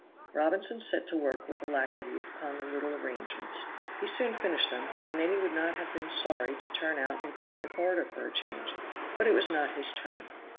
Robinson set to work with alacrity upon the little arrangements; he soon finished them, and then he would not have been sorry to turn out and clean the corridor for a change, but it was not his turn.